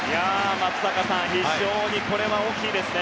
松坂さんこれは大きいですね。